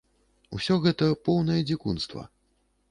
Усё гэта поўнае дзікунства.